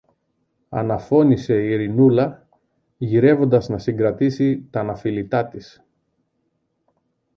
αναφώνησε η Ειρηνούλα, γυρεύοντας να συγκρατήσει τ' αναφιλητά της.